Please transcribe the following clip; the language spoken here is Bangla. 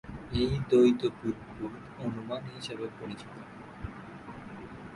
এটা দ্বৈত বুদবুদ অনুমান হিসেবে পরিচিত।